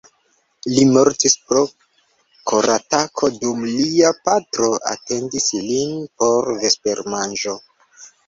Li mortis pro koratako dum lia patro atendis lin por vespermanĝo.